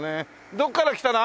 どこから来たの？